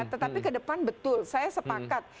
tetapi ke depan betul saya sepakat